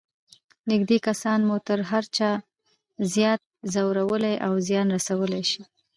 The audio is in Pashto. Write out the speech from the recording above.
نږدې کسان مو تر هر چا زیات ځورولای او زیان رسولای شي.